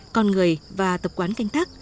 con người và tập quán canh thác